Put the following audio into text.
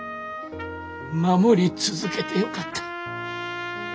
守り続けてよかった。